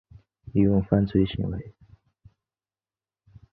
利用犯罪行为